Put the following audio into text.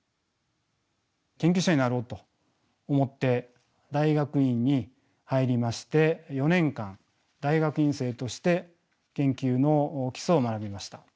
研究者になろうと思って大学院に入りまして４年間大学院生として研究の基礎を学びました。